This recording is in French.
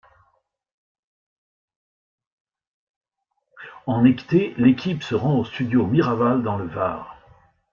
En été, l'équipe se rend au studio Miraval dans le Var.